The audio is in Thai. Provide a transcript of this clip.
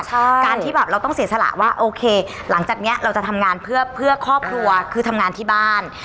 ใช่การที่แบบเราต้องเสียสละว่าโอเคหลังจากนี้เราจะทำงานเพื่อครอบครัวคือทำงานที่บ้าน